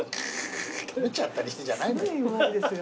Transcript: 「食べちゃったりして」じゃない。